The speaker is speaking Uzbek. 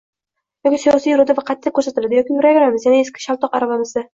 Yoki siyosiy iroda va qatʼiyat koʻrsatiladi, yoki yuraveramiz yana eski shaltoq aravamizda.